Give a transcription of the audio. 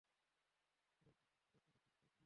দুজাইল নামক এক বিরাট নদী তার পিয়াসা নিবারণ করে।